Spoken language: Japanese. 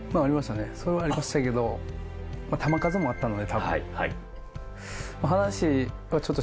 それはありましたけど球数もあったので多分。